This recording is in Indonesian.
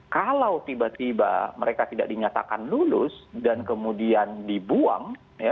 kalau tiba tiba mereka tidak dinyatakan lulus dan kemudian dibuang